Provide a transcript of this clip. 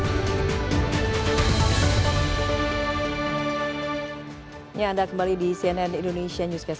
ini anda kembali di cnn indonesia newscast